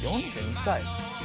４２歳？」